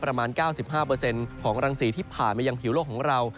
ประมาณ๙๕ของรังสีที่ผ่านมายังผิวโลกของเรา